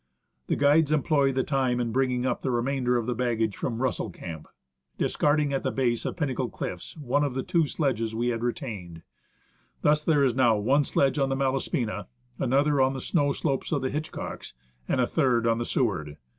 The guides employ the time in bringing up the remainder of the baggage from Russell Camp, discarding at the base of Pinnacle Cliffs one of the two sledges we had re tained. Thus there is now one sledge on the Malaspina, another on the snow slopes of the Hitchcocks, and a third on the Seward.